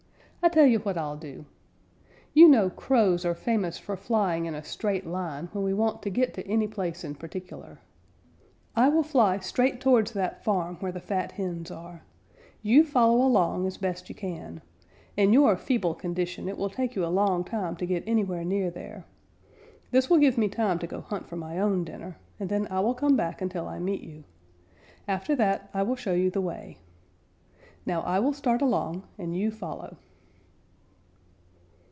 "I tell you what I'll do. You know Crows are famous for flying in a straight line when we want to get to any place in particular. I will fly straight towards that farm where the fat hens are. You follow along as best you can. In your feeble condition it will take you a long time to get anywhere near there. This will give me time to go hunt for my own dinner, and then I will come back until I meet you. After that, I will show you the way. Now I will start along and you follow."